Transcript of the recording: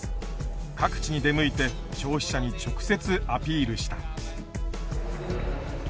各地に出向いて消費者に直接アピールした。